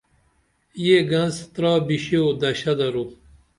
یہ گنس ترا بیشیو دشہ درو